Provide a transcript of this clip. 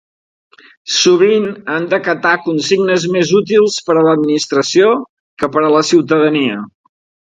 Sovint han d'acatar consignes més útils per a l'administració que per a la ciutadania.